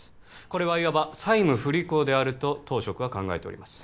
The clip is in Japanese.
これはいわば債務不履行であると当職は考えております